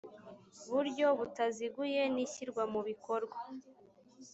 buryo butaziguye n ishyirwa mu bikorwa